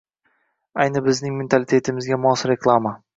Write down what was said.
Ayni bizning mentalitetimizga mos reklama.